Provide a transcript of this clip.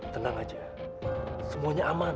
tenang saja semuanya aman